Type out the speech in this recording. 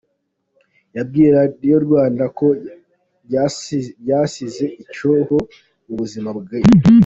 Yabwiye Radio Rwanda ko ‘byasize icyuho mu buzima bwe’.